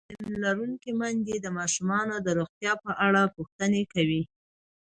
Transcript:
تعلیم لرونکې میندې د ماشومانو د روغتیا په اړه پوښتنې کوي.